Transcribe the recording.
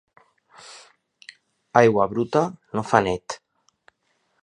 Aigua bruta no fa net.